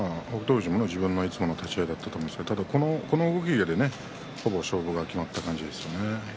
富士も自分のいつもの立ち合いだったと思うんですけどただ、この動きでほぼ勝負が決まった感じですね。